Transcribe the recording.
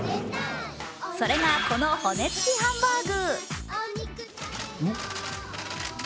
それが、この骨付きハンバーグ。